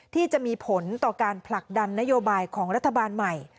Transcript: ที่จะมีผลต่อการผลักดันนโยบายของรัฐบาลใหม่